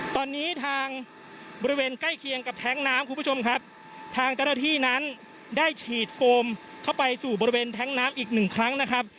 ตอนนี้ทางบริเวณใกล้เคียงกับแท้งน้ำคุณผู้ชมครับทางเจ้าหน้าที่นั้นได้ฉีดโฟมเข้าไปสู่บริเวณแท้งน้ำอีกหนึ่งครั้งนะครับ